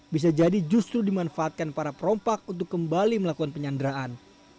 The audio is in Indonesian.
bisa jadi justru dimanfaatkan para perompak untuk kembali melakukan penyanderaan